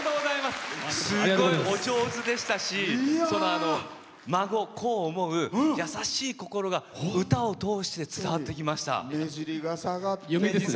すごいお上手でしたし孫、子を思う優しい心が歌をとおして伝わってきました。